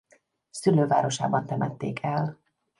Szülővárosában temették el.